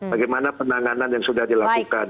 bagaimana penanganan yang sudah dilakukan